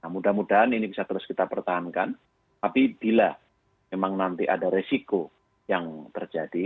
mudah mudahan ini bisa terus kita pertahankan tapi bila memang nanti ada resiko yang terjadi